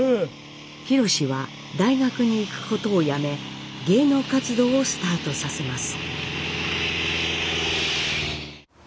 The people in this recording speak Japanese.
ひろしは大学に行くことをやめ芸能活動をスタートさせます。